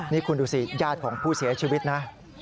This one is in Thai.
นี่คุณดูสิญาติของผู้เสียชีวิตนะ